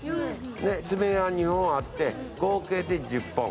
爪は２本あって、合計で１０本。